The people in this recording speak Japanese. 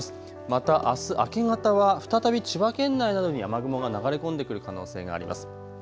またあす明け方は再び千葉県内などに雨雲が流れ込んでくる可能性があります。